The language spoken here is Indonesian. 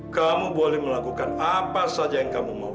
kamu boleh melakukan apa saja yang kamu mau